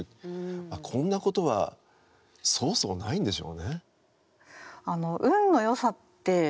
まあこんなことはそうそうないんでしょうね。